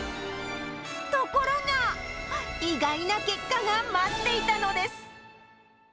ところが、意外な結果が待っていたのです。